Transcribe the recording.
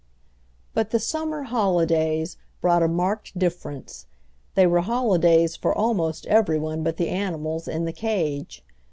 But the summer "holidays" brought a marked difference; they were holidays for almost every one but the animals in the cage.